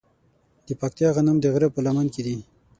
د پکتیا غنم د غره په لمن کې دي.